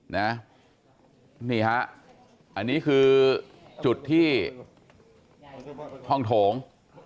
เนี่ยนี่ค่ะอันนี้คือจุดที่ห้องโถง